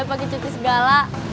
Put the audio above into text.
pakai cuti segala